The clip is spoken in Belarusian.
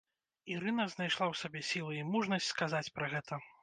Ірына знайшла ў сабе сілы і мужнасць сказаць пра гэта.